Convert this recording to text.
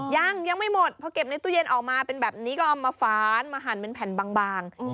ยังยังไม่หมดพอเก็บในตู้เย็นออกมาเป็นแบบนี้ก็เอามาฟ้านมาหั่นเป็นแผ่นบาง